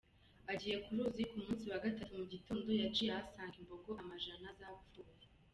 Agiye ku ruzi ku munsi wa gatatu mu gitondo, yaciye ahasanga imbogo amajana zapfuye.